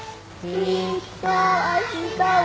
「きっとあしたは」